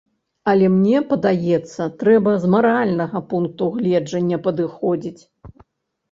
Але мне падаецца, трэба з маральнага пункту гледжання падыходзіць.